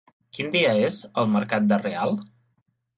Quin dia és el mercat de Real?